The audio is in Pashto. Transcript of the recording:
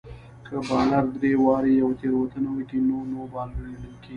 که بالر درې واري يوه تېروتنه وکي؛ نو نو بال ګڼل کیږي.